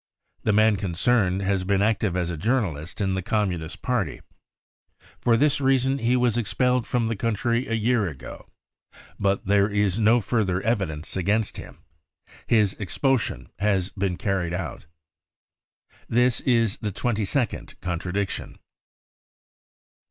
The man concerned has been active as a journalist in the Communist Party. For this reason he was expelled from the country a year ago. But there is no further evidence against him. His expulsion has been carried out." This is the twenty second contradiction.